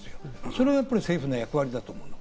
それが政府の役割だと思う。